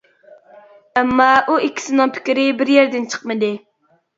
ئەمما، ئۇ ئىككىسىنىڭ پىكرى بىر يەردىن چىقمىدى.